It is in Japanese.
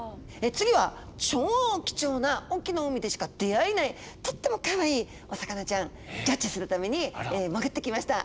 次は超貴重な隠岐の海でしか出会えないとってもかわいいお魚ちゃんギョっちするために潜ってきました。